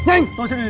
em cháu đã ốm ạ